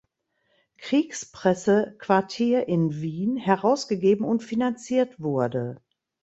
Kriegspressequartier in Wien herausgegeben und finanziert wurde.